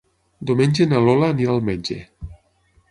Diumenge na Lola anirà al metge.